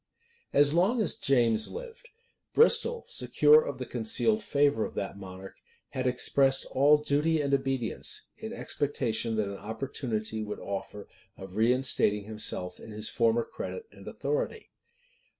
As long as James lived, Bristol, secure of the concealed favor of that monarch, had expressed all duty and obedience; in expectation that an opportunity would offer of reinstating himself in his former credit and authority.